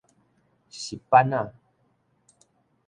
十扳仔